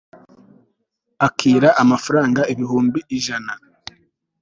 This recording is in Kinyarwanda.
akira amafaranga ibihumbi ijana